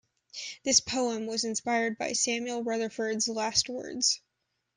This poem was inspired by Samuel Rutherford's last words.